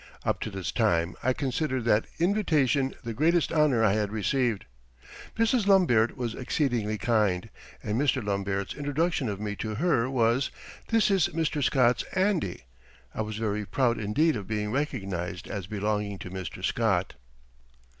Up to this time I considered that invitation the greatest honor I had received. Mrs. Lombaert was exceedingly kind, and Mr. Lombaert's introduction of me to her was: "This is Mr. Scott's 'Andy.'" I was very proud indeed of being recognized as belonging to Mr. Scott.